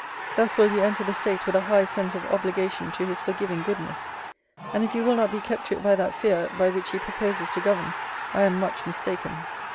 Thus will you enter the state with a high sense of obligation to his forgiving goodness: and if you will not be kept to it by that fear, by which he proposes to govern, I am much mistaken.